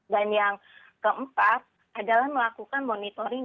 dan yang keempat adalah melakukan monitoring